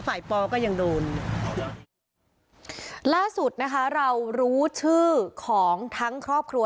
ปอก็ยังโดนล่าสุดนะคะเรารู้ชื่อของทั้งครอบครัว